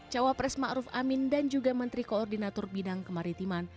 cawa pres ma'ruf amin dan juga menteri koordinator bidang kemaritiman